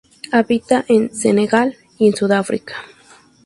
Habita en Senegal y en Sudáfrica.